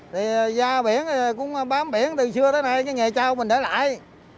thì ra biển cũng bám biển từ xưa tới nay cái nghề cao mình để lại